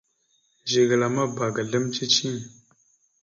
Zigəla ma bba ga azlam cici.